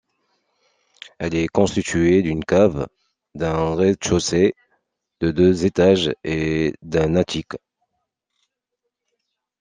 Elle est constituée d'une cave, d'un rez-de-chaussée, de deux étages et d'un attique.